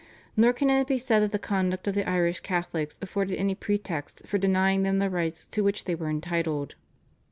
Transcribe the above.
Nor can it be said that the conduct of the Irish Catholics afforded any pretext for denying them the rights to which they were entitled.